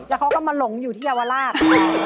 แล้วเขาก็มาหลงอยู่ที่เยาวราช